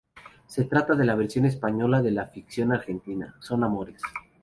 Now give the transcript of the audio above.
Se trata de la versión española de la ficción argentina "Son amores".